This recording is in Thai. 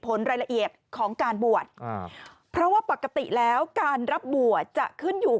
รายละเอียดของการบวชเพราะว่าปกติแล้วการรับบวชจะขึ้นอยู่